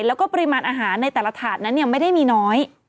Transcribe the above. แล้วก็ปริมาณอาหารในแต่ละถาดนั้นไม่ได้มีน้อย